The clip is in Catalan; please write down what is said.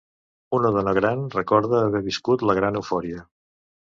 Una dona gran recorda haver viscut la gran eufòria.